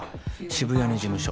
渋谷に事務所。